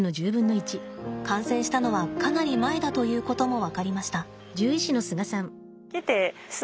感染したのはかなり前だということも分かりました。